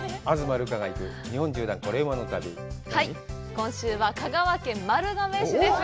今週は香川県丸亀市です。